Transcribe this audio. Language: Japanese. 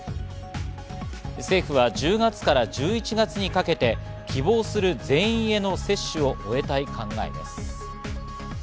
政府は１０月から１１月にかけて希望する全員への接種を終えたい考えです。